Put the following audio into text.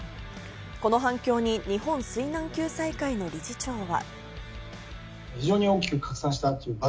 この反響に日本水難救済会の理事長は。